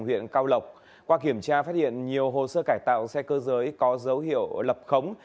huyện cao lộc qua kiểm tra phát hiện nhiều hồ sơ cải tạo xe cơ giới có dấu hiệu lập khống